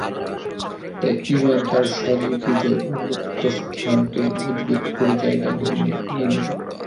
তাই ঈমান তাঁর সজীব হৃদয়ে উম্মুক্ত স্থান পেয়ে মজবুত করে জায়গা নিয়ে নিল।